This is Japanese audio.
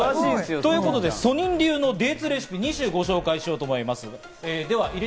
ということでソニン流デーツレシピを２種、ご紹介しようと思います。